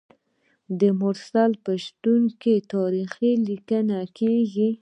د مرسل په شتون کې تاریخ لیکل کیږي.